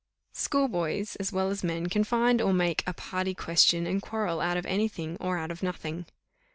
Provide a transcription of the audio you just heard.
Schoolboys, as well as men, can find or make a party question, and quarrel out of any thing or out of nothing.